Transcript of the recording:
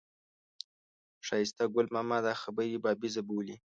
ښایسته ګل ماما دا خبرې بابیزه بولي.